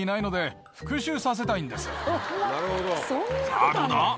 さぁどうだ？